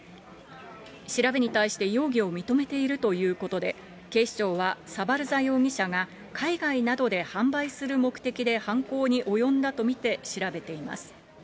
調べに対して容疑を認めているということで、警視庁は、サバルザ容疑者が、海外などで販売する目的で犯行に及んだと見て調べています。